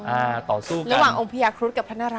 ระหว่างองค์พระยาครุสกับพระนารายย์